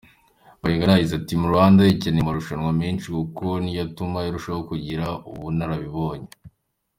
Bayingana yagize "Team Rwanda ikeneye amarushanwa menshi kuko ni yo atuma irushaho kugira ubunararibonye.